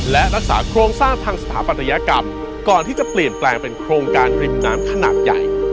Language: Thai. และรักษาโครงสร้างทางสถาปัตยกรรมก่อนที่จะเปลี่ยนแปลงเป็นโครงการริมน้ำขนาดใหญ่